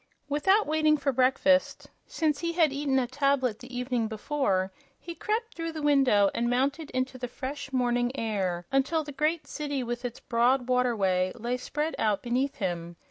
Without waiting for breakfast, since he had eaten a tablet the evening before, he crept through the window and mounted into the fresh morning air until the great city with its broad waterway lay spread out beneath him.